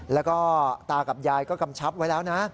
แล้วก็ตากับยายก็กำชับไว้แล้วนะ